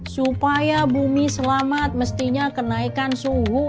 supaya bumi selamat mestinya kenaikan suhu